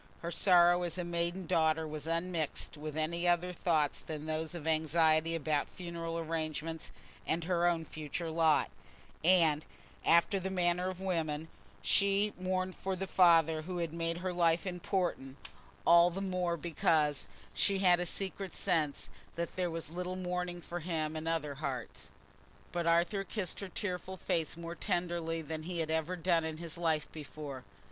Her sorrow as a maiden daughter was unmixed with any other thoughts than those of anxiety about funeral arrangements and her own future lot; and, after the manner of women, she mourned for the father who had made her life important, all the more because she had a secret sense that there was little mourning for him in other hearts. But Arthur kissed her tearful face more tenderly than he had ever done in his life before.